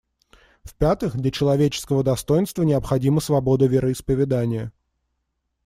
В-пятых, для человеческого достоинства необходима свобода вероисповедания.